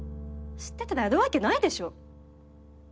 知ってたらやるわけないでしょ！